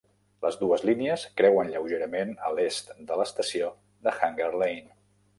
Les dues línies creuen lleugerament a l'est de l'estació de Hanger Lane.